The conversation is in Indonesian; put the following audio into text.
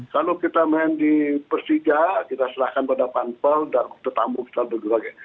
kalau kita main di persija kita silakan pada pampel dan tetamu kita juga